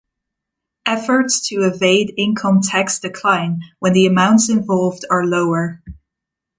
Efforts to evade income tax decline when the amounts involved are lower.